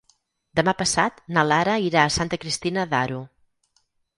Demà passat na Lara irà a Santa Cristina d'Aro.